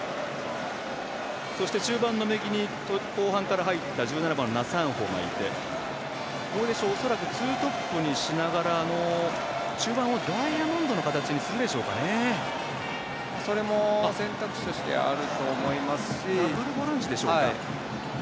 そして中盤の右に後半から入った１７番、ナ・サンホがいて恐らくツートップにしながら中盤をダイヤモンドの形にそれも選択肢としてダブルボランチでしょうか。